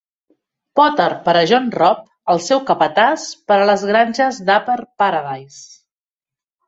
Potter per a John Robb, el seu capatàs per a les granges d'Upper Paradise.